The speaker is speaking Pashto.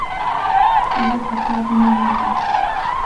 زه کتاب نه لولم.